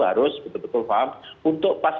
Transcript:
harus betul betul faham untuk pas